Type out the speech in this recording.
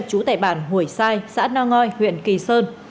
trú tại bản hủy sai xã na ngoi huyện kỳ sơn